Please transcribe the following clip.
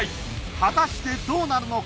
果たしてどうなるのか？